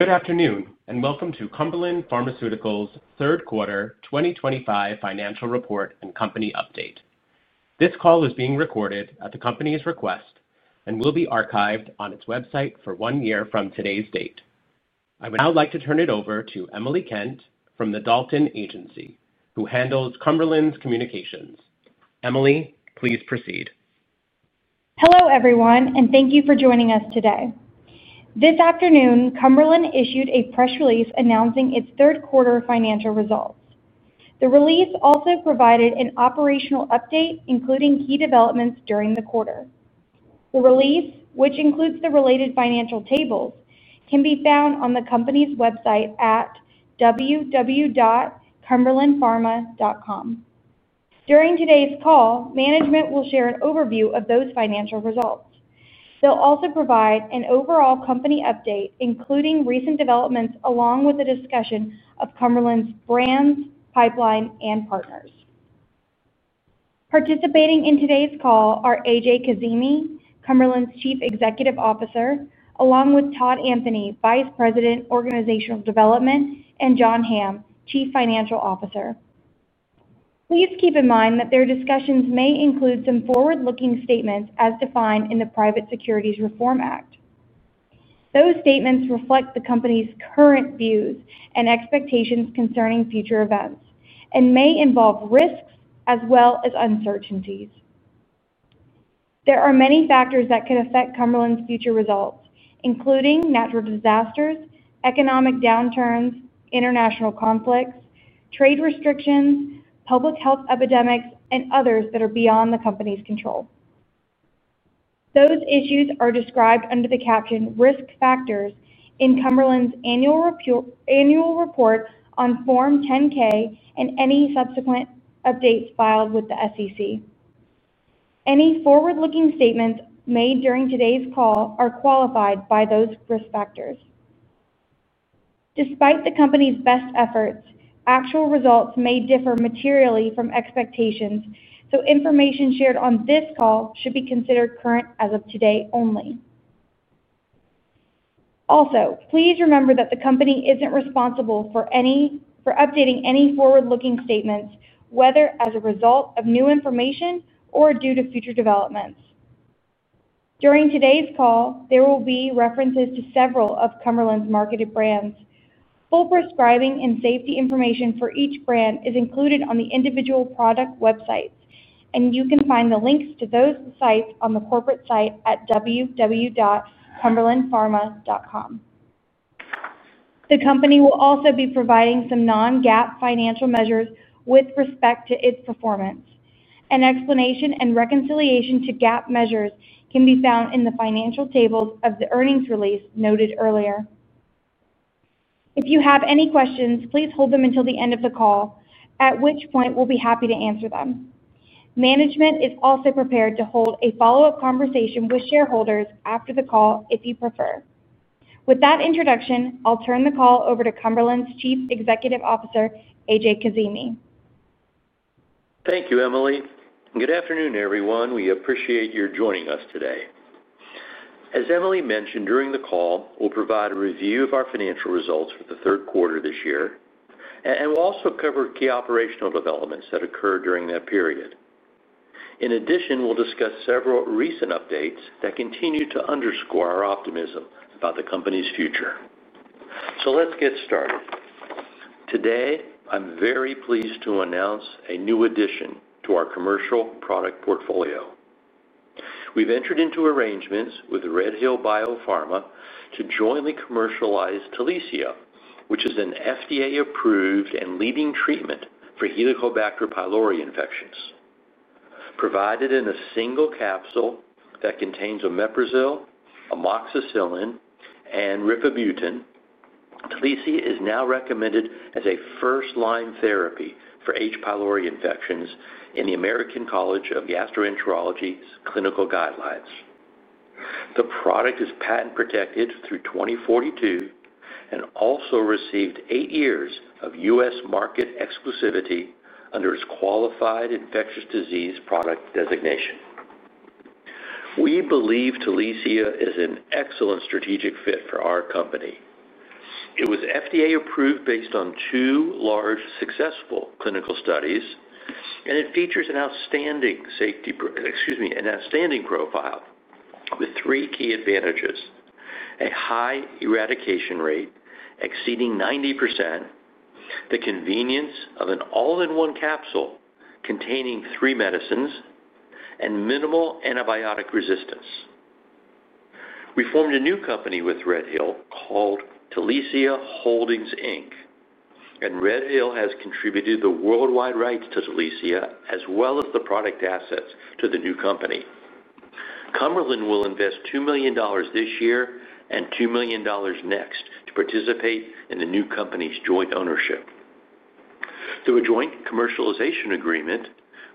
Good afternoon and welcome to Cumberland Pharmaceuticals' third quarter 2025 financial report and company update. This call is being recorded at the company's request and will be archived on its website for one year from today's date. I would now like to turn it over to Emily Kent from the Dalton Agency, who handles Cumberland's communications. Emily, please proceed. Hello everyone, and thank you for joining us today. This afternoon, Cumberland issued a press release announcing its third quarter financial results. The release also provided an operational update, including key developments during the quarter. The release, which includes the related financial tables, can be found on the company's website at www.cumberlandpharma.com. During today's call, management will share an overview of those financial results. They'll also provide an overall company update, including recent developments along with a discussion of Cumberland's brands, pipeline, and partners. Participating in today's call are A.J. Kazimi, Cumberland's Chief Executive Officer, along with Todd Anthony, Vice President, Organizational Development, and John Hamm, Chief Financial Officer. Please keep in mind that their discussions may include some forward-looking statements as defined in the Private Securities Litigation Reform Act. Those statements reflect the company's current views and expectations concerning future events and may involve risks as well as uncertainties. There are many factors that could affect Cumberland's future results, including natural disasters, economic downturns, international conflicts, trade restrictions, public health epidemics, and others that are beyond the company's control. Those issues are described under the caption "Risk Factors" in Cumberland's annual report on Form 10-K and any subsequent updates filed with the SEC. Any forward-looking statements made during today's call are qualified by those risk factors. Despite the company's best efforts, actual results may differ materially from expectations, so information shared on this call should be considered current as of today only. Also, please remember that the company isn't responsible for updating any forward-looking statements, whether as a result of new information or due to future developments. During today's call, there will be references to several of Cumberland's marketed brands. Full prescribing and safety information for each brand is included on the individual product websites, and you can find the links to those sites on the corporate site at www.cumberlandpharma.com. The company will also be providing some non-GAAP financial measures with respect to its performance. An explanation and reconciliation to GAAP measures can be found in the financial tables of the earnings release noted earlier. If you have any questions, please hold them until the end of the call, at which point we'll be happy to answer them. Management is also prepared to hold a follow-up conversation with shareholders after the call if you prefer. With that introduction, I'll turn the call over to Cumberland's Chief Executive Officer, A.J. Kazimi. Thank you, Emily. Good afternoon, everyone. We appreciate your joining us today. As Emily mentioned during the call, we'll provide a review of our financial results for the third quarter this year, and we'll also cover key operational developments that occurred during that period. In addition, we'll discuss several recent updates that continue to underscore our optimism about the company's future. So let's get started. Today, I'm very pleased to announce a new addition to our commercial product portfolio. We've entered into arrangements with RedHill Biopharma to jointly commercialize Talicia, which is an FDA-approved and leading treatment for H. pylori infections. Provided in a single capsule that contains omeprazole, amoxicillin, and rifabutin. Talicia is now recommended as a first-line therapy for H. pylori infections in the American College of Gastroenterology's clinical guidelines. The product is patent-protected through 2042 and also received eight years of U.S. market exclusivity under its qualified infectious disease product designation. We believe Talicia is an excellent strategic fit for our company. It was FDA-approved based on two large successful clinical studies, and it features an outstanding safety profile with three key advantages: a high eradication rate exceeding 90%. The convenience of an all-in-one capsule containing three medicines, and minimal antibiotic resistance. We formed a new company with RedHill called Talicia Holdings, Inc., and RedHill has contributed the worldwide rights to Talicia as well as the product assets to the new company. Cumberland will invest $2 million this year and $2 million next to participate in the new company's joint ownership. Through a joint commercialization agreement,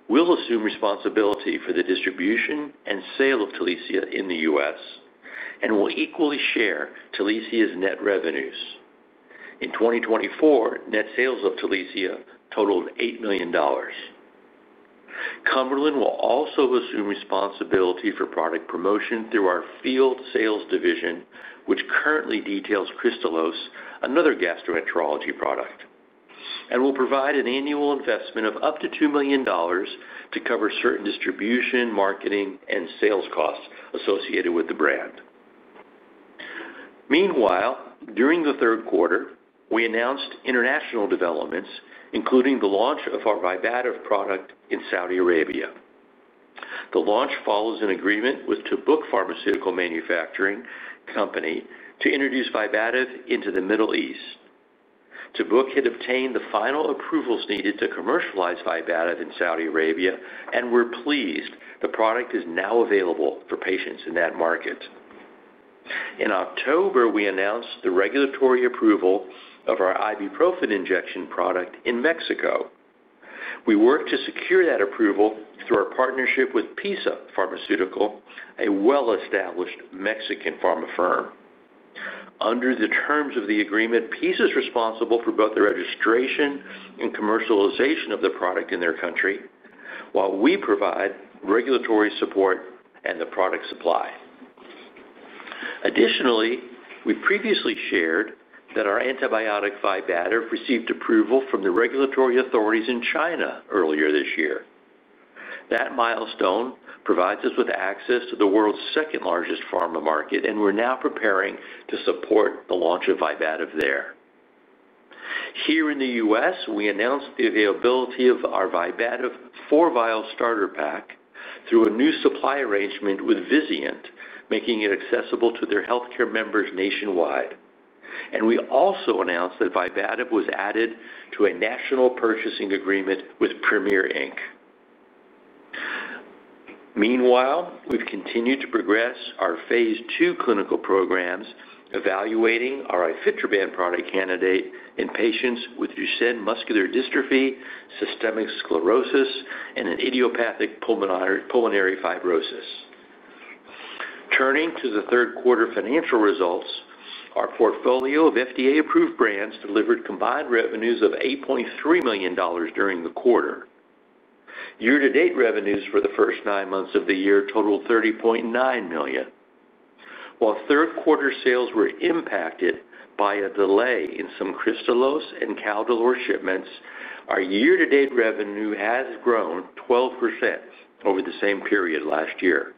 we'll assume responsibility for the distribution and sale of Talicia in the U.S. and will equally share Talicia's net revenues. In 2024, net sales of Talicia totaled $8 million. Cumberland will also assume responsibility for product promotion through our field sales division, which currently details Kristalose, another gastroenterology product, and will provide an annual investment of up to $2 million to cover certain distribution, marketing, and sales costs associated with the brand. Meanwhile, during the third quarter, we announced international developments, including the launch of our Vibativ product in Saudi Arabia. The launch follows an agreement with Tabuk Pharmaceuticals to introduce Vibativ into the Middle East. Tabuk had obtained the final approvals needed to commercialize Vibativ in Saudi Arabia and were pleased. The product is now available for patients in that market. In October, we announced the regulatory approval of our ibuprofen injection product in Mexico. We worked to secure that approval through our partnership with PiSA Farmacéutica, a well-established Mexican pharma firm. Under the terms of the agreement, PiSA is responsible for both the registration and commercialization of the product in their country, while we provide regulatory support and the product supply. Additionally, we previously shared that our antibiotic Vibativ received approval from the regulatory authorities in China earlier this year. That milestone provides us with access to the world's second-largest pharma market, and we're now preparing to support the launch of Vibativ there. Here in the U.S., we announced the availability of our Vibativ four vial starter pack through a new supply arrangement with Vizient, making it accessible to their healthcare members nationwide. And we also announced that Vibativ was added to a national purchasing agreement with Premier Inc. Meanwhile, we've continued to progress our phase II clinical programs, evaluating our Ifetroban product candidate in patients with Duchenne muscular dystrophy, systemic sclerosis, and idiopathic pulmonary fibrosis. Turning to the third quarter financial results, our portfolio of FDA-approved brands delivered combined revenues of $8.3 million during the quarter. Year-to-date revenues for the first nine months of the year totaled $30.9 million. While third quarter sales were impacted by a delay in some Kristalose and Caldolor shipments, our year-to-date revenue has grown 12% over the same period last year.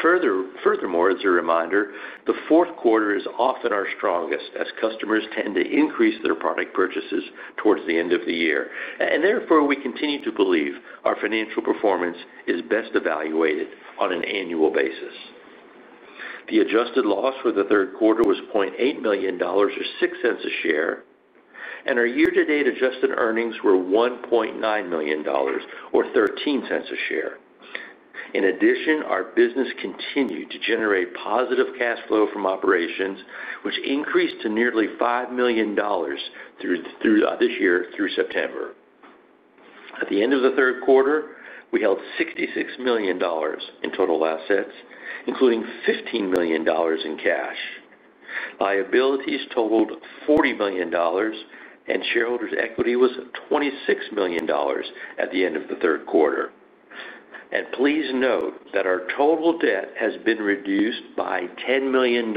Furthermore, as a reminder, the fourth quarter is often our strongest as customers tend to increase their product purchases towards the end of the year, and therefore we continue to believe our financial performance is best evaluated on an annual basis. The adjusted loss for the third quarter was $0.8 million, or $0.06 a share, and our year-to-date adjusted earnings were $1.9 million, or $0.13 a share. In addition, our business continued to generate positive cash flow from operations, which increased to nearly $5 million this year through September. At the end of the third quarter, we held $66 million in total assets, including $15 million in cash. Liabilities totaled $40 million. And shareholders' equity was $26 million at the end of the third quarter. And please note that our total debt has been reduced by $10 million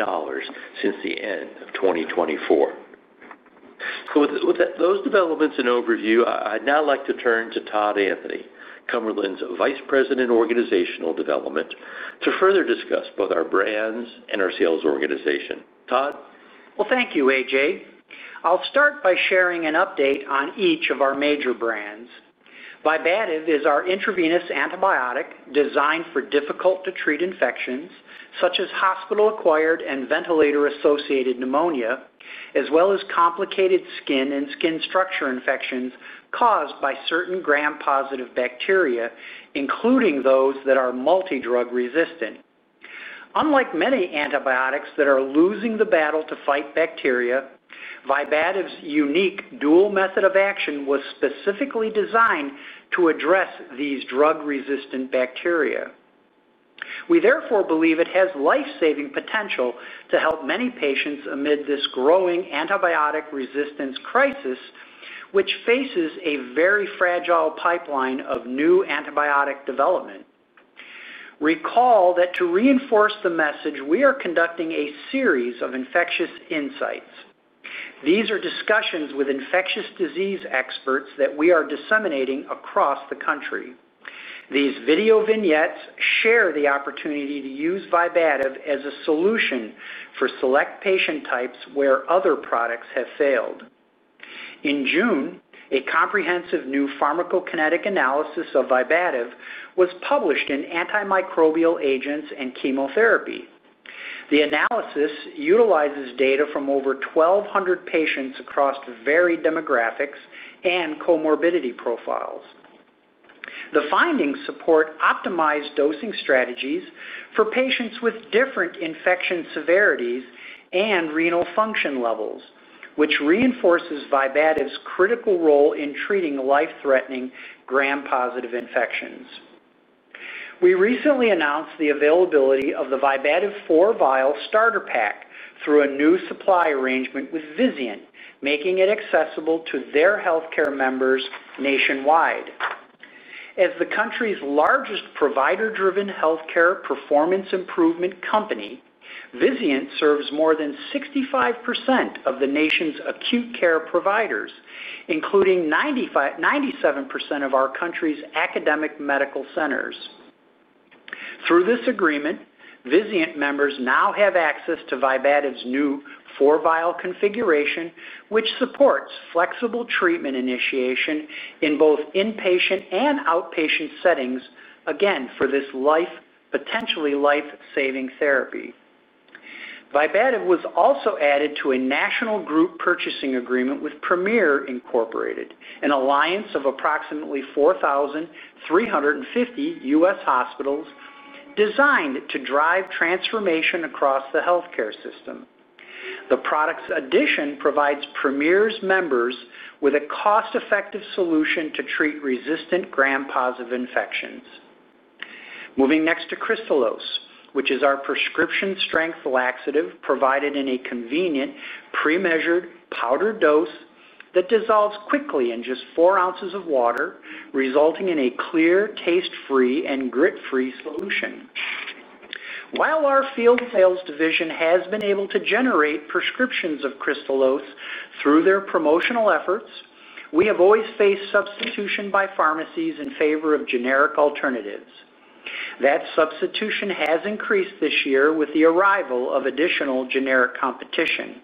since the end of 2024. So with those developments in overview, I'd now like to turn to Todd Anthony, Cumberland's Vice President of Organizational Development, to further discuss both our brands and our sales organization. Todd? Thank you, A.J. I'll start by sharing an update on each of our major brands. Vibativ is our intravenous antibiotic designed for difficult-to-treat infections such as hospital-acquired and ventilator-associated pneumonia, as well as complicated skin and skin structure infections caused by certain gram-positive bacteria, including those that are multi-drug resistant. Unlike many antibiotics that are losing the battle to fight bacteria, Vibativ's unique dual method of action was specifically designed to address these drug-resistant bacteria. We therefore believe it has life-saving potential to help many patients amid this growing antibiotic resistance crisis, which faces a very fragile pipeline of new antibiotic development. Recall that to reinforce the message, we are conducting a series of Infectious Insights. These are discussions with infectious disease experts that we are disseminating across the country. These video vignettes share the opportunity to use Vibativ as a solution for select patient types where other products have failed. In June, a comprehensive new pharmacokinetic analysis of Vibativ was published in Antimicrobial Agents and Chemotherapy. The analysis utilizes data from over 1,200 patients across varied demographics and comorbidity profiles. The findings support optimized dosing strategies for patients with different infection severities and renal function levels, which reinforces Vibativ's critical role in treating life-threatening gram-positive infections. We recently announced the availability of the Vibativ four vial starter pack through a new supply arrangement with Vizient, making it accessible to their healthcare members nationwide. As the country's largest provider-driven healthcare performance improvement company, Vizient serves more than 65% of the nation's acute care providers, including 97% of our country's academic medical centers. Through this agreement, Vizient members now have access to Vibativ's new four-vial configuration, which supports flexible treatment initiation in both inpatient and outpatient settings, again, for this potentially life-saving therapy. Vibativ was also added to a national group purchasing agreement with Premier Incorporated, an alliance of approximately 4,350 U.S. hospitals designed to drive transformation across the healthcare system. The product's addition provides Premier's members with a cost-effective solution to treat resistant gram-positive infections. Moving next to Kristalose, which is our prescription-strength laxative provided in a convenient, pre-measured powder dose that dissolves quickly in just 4 oz of water, resulting in a clear, taste-free, and grit-free solution. While our field sales division has been able to generate prescriptions of Kristalose through their promotional efforts, we have always faced substitution by pharmacies in favor of generic alternatives. That substitution has increased this year with the arrival of additional generic competition.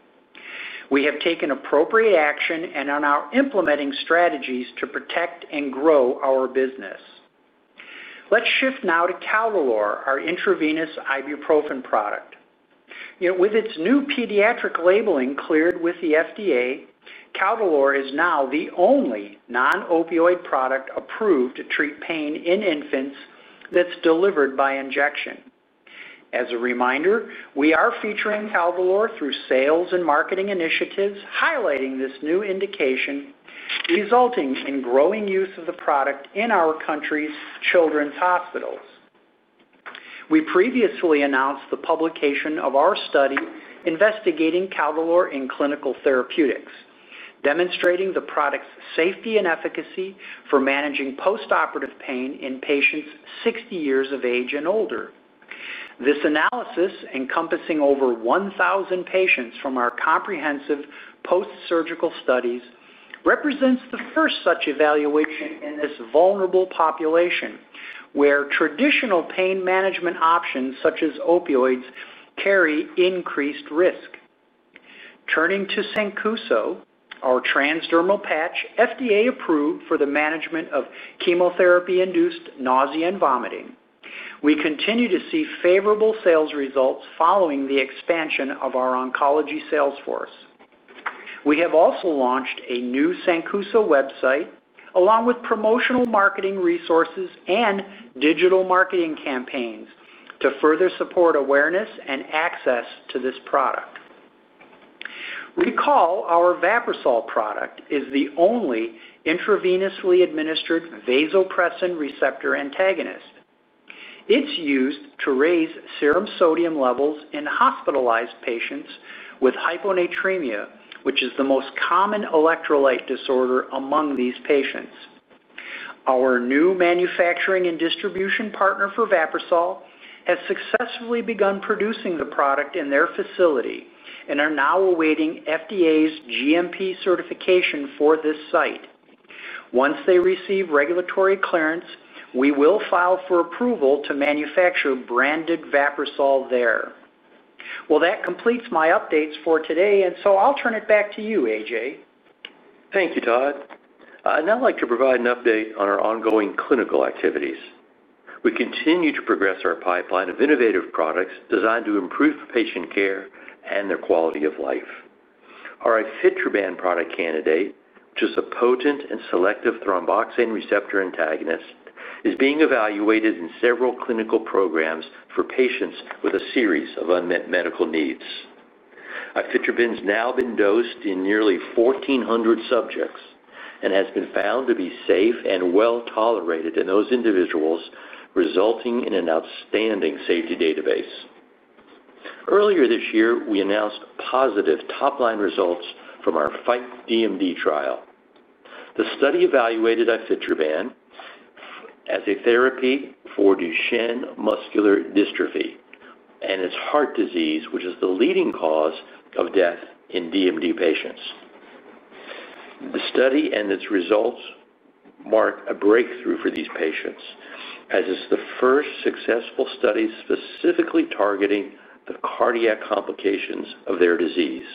We have taken appropriate action and are now implementing strategies to protect and grow our business. Let's shift now to Caldolor, our intravenous ibuprofen product. With its new pediatric labeling cleared with the FDA, Caldolor is now the only non-opioid product approved to treat pain in infants that's delivered by injection. As a reminder, we are featuring Caldolor through sales and marketing initiatives, highlighting this new indication. Resulting in growing use of the product in our country's children's hospitals. We previously announced the publication of our study investigating Caldolor in clinical therapeutics, demonstrating the product's safety and efficacy for managing post-operative pain in patients 60 years of age and older. This analysis, encompassing over 1,000 patients from our comprehensive post-surgical studies, represents the first such evaluation in this vulnerable population where traditional pain management options such as opioids carry increased risk. Turning to Sancuso, our transdermal patch FDA-approved for the management of chemotherapy-induced nausea and vomiting. We continue to see favorable sales results following the expansion of our oncology sales force. We have also launched a new Sancuso website along with promotional marketing resources and digital marketing campaigns to further support awareness and access to this product. Recall our Vaprisol product is the only intravenously administered vasopressin receptor antagonist. It's used to raise serum sodium levels in hospitalized patients with hyponatremia, which is the most common electrolyte disorder among these patients. Our new manufacturing and distribution partner for Vaprisol has successfully begun producing the product in their facility and are now awaiting FDA's GMP certification for this site. Once they receive regulatory clearance, we will file for approval to manufacture branded Vaprisol there. That completes my updates for today, and so I'll turn it back to you, A.J. Thank you, Todd. I'd like to provide an update on our ongoing clinical activities. We continue to progress our pipeline of innovative products designed to improve patient care and their quality of life. Our Ifetroban product candidate, which is a potent and selective thromboxane receptor antagonist, is being evaluated in several clinical programs for patients with a series of unmet medical needs. Ifetroban has now been dosed in nearly 1,400 subjects and has been found to be safe and well tolerated in those individuals, resulting in an outstanding safety database. Earlier this year, we announced positive top-line results from our FIGHT-DMD trial. The study evaluated Ifetroban as a therapy for Duchenne muscular dystrophy and its heart disease, which is the leading cause of death in DMD patients. The study and its results mark a breakthrough for these patients as it's the first successful study specifically targeting the cardiac complications of their disease.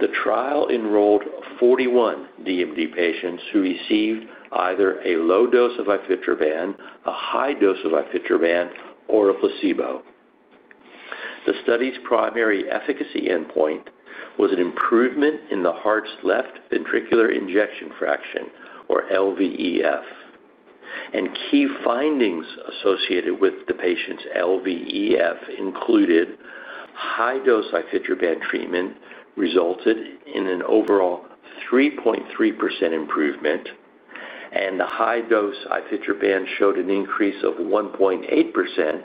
The trial enrolled 41 DMD patients who received either a low dose of Ifetroban, a high dose of Ifetroban, or a placebo. The study's primary efficacy endpoint was an improvement in the heart's left ventricular ejection fraction, or LVEF. Key findings associated with the patient's LVEF included high-dose Ifetroban treatment resulted in an overall 3.3% improvement. The high-dose Ifetroban showed an increase of 1.8%,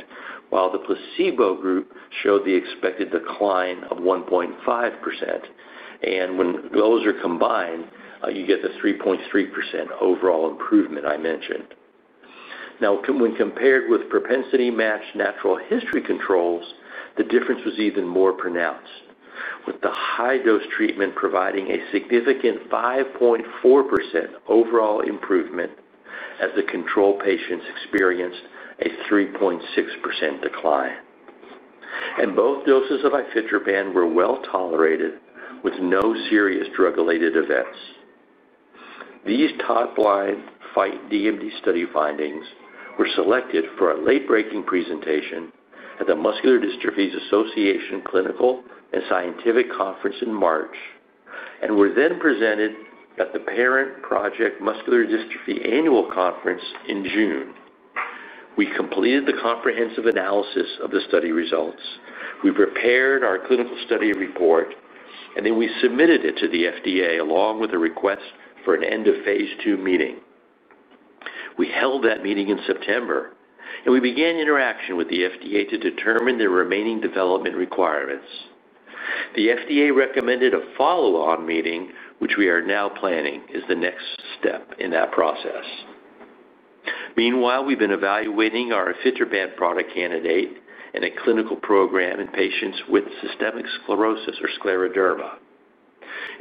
while the placebo group showed the expected decline of 1.5%. When those are combined, you get the 3.3% overall improvement I mentioned. Now, when compared with propensity-matched natural history controls, the difference was even more pronounced, with the high-dose treatment providing a significant 5.4% overall improvement as the control patients experienced a 3.6% decline. Both doses of Ifetroban were well tolerated with no serious drug-related events. These top-line FIGHT-DMD study findings were selected for a late-breaking presentation at the Muscular Dystrophy Association Clinical and Scientific Conference in March and were then presented at the Parent Project Muscular Dystrophy Annual Conference in June. We completed the comprehensive analysis of the study results. We prepared our clinical study report, and then we submitted it to the FDA along with a request for an end-of-phase II meeting. We held that meeting in September. We began interaction with the FDA to determine the remaining development requirements. The FDA recommended a follow-on meeting, which we are now planning is the next step in that process. Meanwhile, we've been evaluating our Ifetroban product candidate in a clinical program in patients with systemic sclerosis or scleroderma.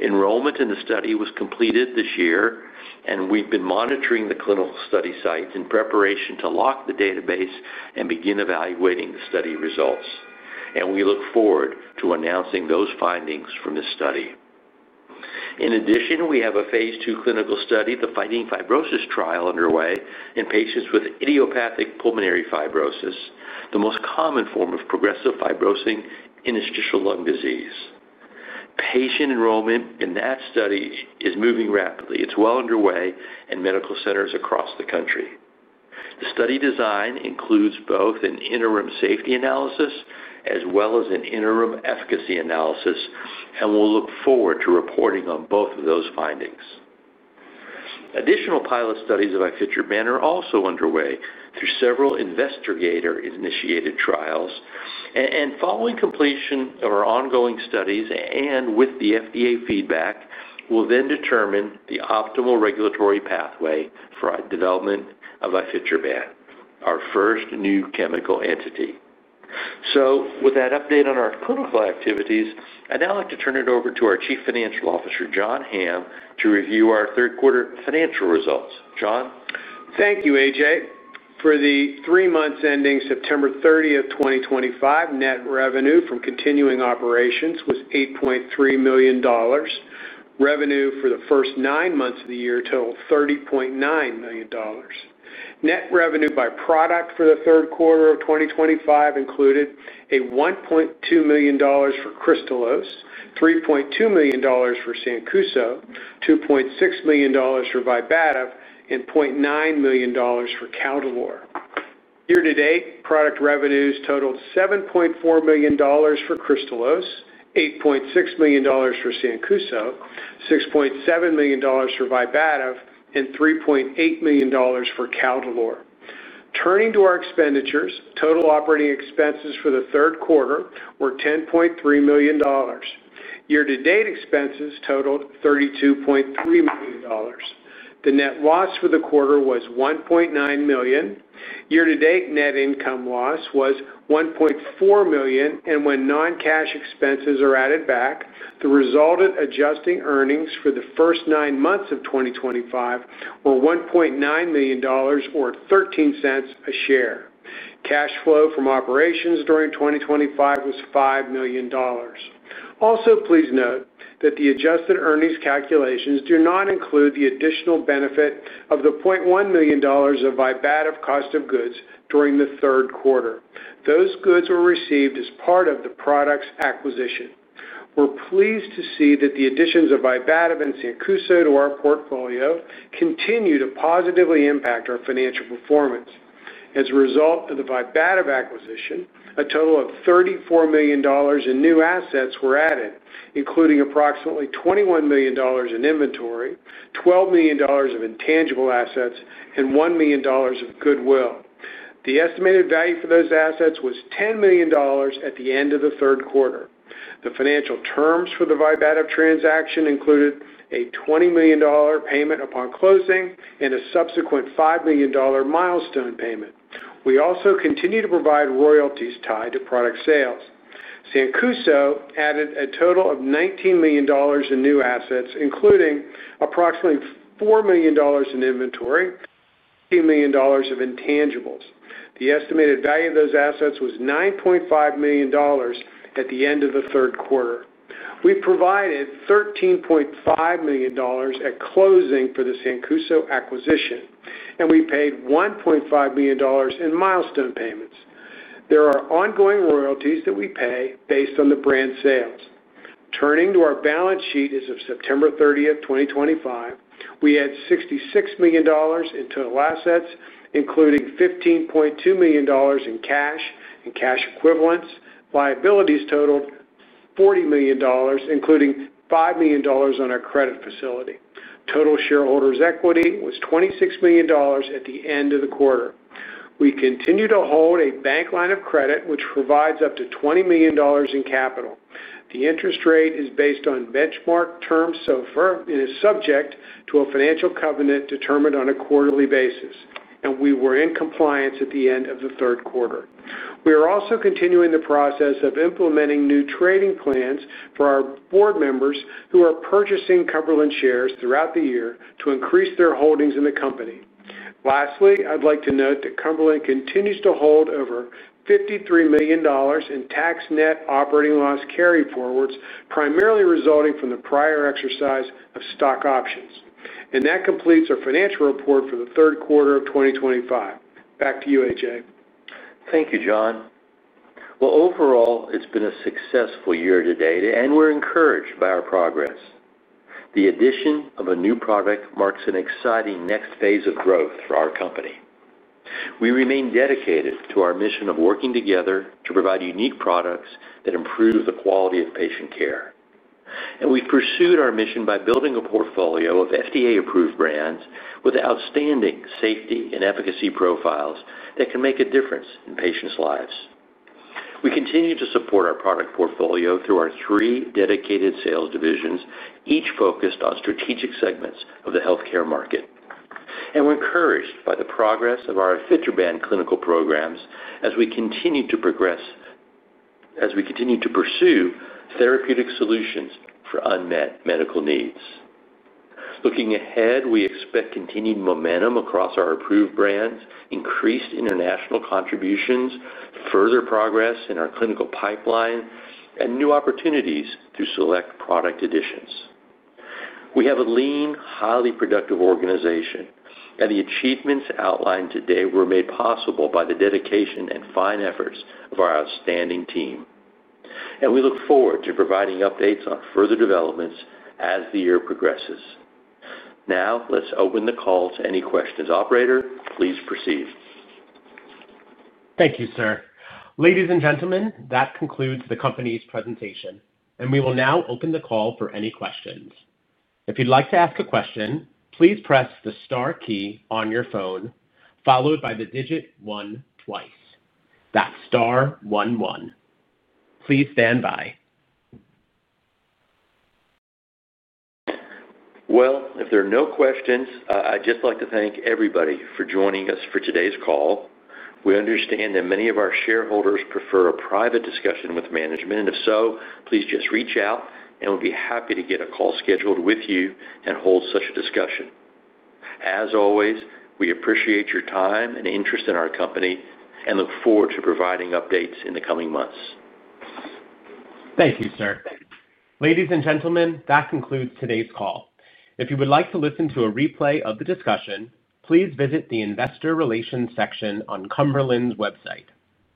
Enrollment in the study was completed this year, and we've been monitoring the clinical study sites in preparation to lock the database and begin evaluating the study results. We look forward to announcing those findings from this study. In addition, we have a phase II clinical study, the FIGHTING FIBROSIS Trial, underway in patients with idiopathic pulmonary fibrosis, the most common form of progressive fibrosing interstitial lung disease. Patient enrollment in that study is moving rapidly. It's well underway in medical centers across the country. The study design includes both an interim safety analysis as well as an interim efficacy analysis, and we'll look forward to reporting on both of those findings. Additional pilot studies of Ifetroban are also underway through several investigator-initiated trials. And following completion of our ongoing studies and with the FDA feedback, we'll then determine the optimal regulatory pathway for development of Ifetroban, our first new chemical entity. So with that update on our clinical activities, I'd now like to turn it over to our Chief Financial Officer, John Hamm, to review our third-quarter financial results. John? Thank you, A.J. For the three months ending September 30th, 2025, net revenue from continuing operations was $8.3 million. Revenue for the first nine months of the year totaled $30.9 million. Net revenue by product for the third quarter of 2025 included $1.2 million for Kristalose, $3.2 million for Sancuso, $2.6 million for Vibativ, and $0.9 million for Caldolor. Year-to-date, product revenues totaled $7.4 million for Kristalose, $8.6 million for Sancuso, $6.7 million for Vibativ, and $3.8 million for Caldolor. Turning to our expenditures, total operating expenses for the third quarter were $10.3 million. Year-to-date expenses totaled $32.3 million. The net loss for the quarter was $1.9 million. Year-to-date net income loss was $1.4 million, and when non-cash expenses are added back, the resultant adjusting earnings for the first nine months of 2025 were $1.9 million, or $0.13 a share. Cash flow from operations during 2025 was $5 million. Also, please note that the adjusted earnings calculations do not include the additional benefit of the $0.1 million of Vibativ cost of goods during the third quarter. Those goods were received as part of the product's acquisition. We're pleased to see that the additions of Vibativ and Sancuso to our portfolio continue to positively impact our financial performance. As a result of the Vibativ acquisition, a total of $34 million in new assets were added, including approximately $21 million in inventory, $12 million of intangible assets, and $1 million of goodwill. The estimated value for those assets was $10 million at the end of the third quarter. The financial terms for the Vibativ transaction included a $20 million payment upon closing and a subsequent $5 million milestone payment. We also continue to provide royalties tied to product sales. Sancuso added a total of $19 million in new assets, including approximately $4 million in inventory and $18 million of intangibles. The estimated value of those assets was $9.5 million at the end of the third quarter. We provided $13.5 million at closing for the Sancuso acquisition, and we paid $1.5 million in milestone payments. There are ongoing royalties that we pay based on the brand sales. Turning to our balance sheet as of September 30th, 2025, we had $66 million in total assets, including $15.2 million in cash and cash equivalents. Liabilities totaled $40 million, including $5 million on our credit facility. Total shareholders' equity was $26 million at the end of the quarter. We continue to hold a bank line of credit, which provides up to $20 million in capital. The interest rate is based on benchmark terms so far and is subject to a financial covenant determined on a quarterly basis, and we were in compliance at the end of the third quarter. We are also continuing the process of implementing new trading plans for our Board members who are purchasing Cumberland shares throughout the year to increase their holdings in the company. Lastly, I'd like to note that Cumberland continues to hold over $53 million in tax net operating loss carry forwards, primarily resulting from the prior exercise of stock options. And that completes our financial report for the third quarter of 2025. Back to you, A.J. Thank you, John. Well, overall, it's been a successful year to date, and we're encouraged by our progress. The addition of a new product marks an exciting next phase of growth for our company. We remain dedicated to our mission of working together to provide unique products that improve the quality of patient care. And we've pursued our mission by building a portfolio of FDA-approved brands with outstanding safety and efficacy profiles that can make a difference in patients' lives. We continue to support our product portfolio through our three dedicated sales divisions, each focused on strategic segments of the healthcare market. And we're encouraged by the progress of our Ifetroban clinical programs as we continue to progress. As we continue to pursue therapeutic solutions for unmet medical needs. Looking ahead, we expect continued momentum across our approved brands, increased international contributions, further progress in our clinical pipeline, and new opportunities through select product additions. We have a lean, highly productive organization, and the achievements outlined today were made possible by the dedication and fine efforts of our outstanding team. And we look forward to providing updates on further developments as the year progresses. Now, let's open the call to any questions. Operator, please proceed. Thank you, sir. Ladies and gentlemen, that concludes the company's presentation, and we will now open the call for any questions. If you'd like to ask a question, please press the star key on your phone, followed by the digit one twice. That's star one one. Please stand by. Well, if there are no questions, I'd just like to thank everybody for joining us for today's call. We understand that many of our shareholders prefer a private discussion with management. And if so, please just reach out, and we'll be happy to get a call scheduled with you and hold such a discussion. As always, we appreciate your time and interest in our company and look forward to providing updates in the coming months. Thank you, sir. Ladies and gentlemen, that concludes today's call. If you would like to listen to a replay of the discussion, please visit the investor relations section on Cumberland's website.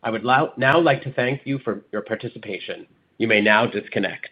I would now like to thank you for your participation. You may now disconnect.